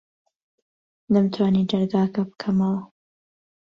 نەمتوانی دەرگاکە بکەمەوە.